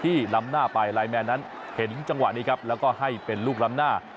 ล้ำหน้าไปไลน์แมนนั้นเห็นจังหวะนี้ครับแล้วก็ให้เป็นลูกล้ำหน้า